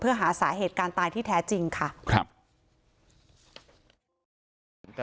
เพื่อหาสาเหตุการณ์ตายที่แท้จริงค่ะครับ